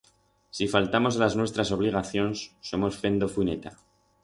Si faltamos a las nuestras obligacions, somos fendo fuineta.